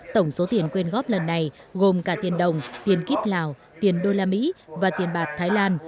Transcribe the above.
tổng số tiền quyên góp lần này gồm cả tiền đồng tiền kíp lào tiền đô la mỹ và tiền bạc thái lan